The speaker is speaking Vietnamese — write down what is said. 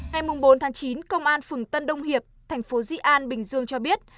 ngày bốn chín công an phường tân đông hiệp thành phố di an bình dương cho biết